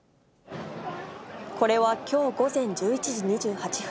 これはきょう午前１１時２８分。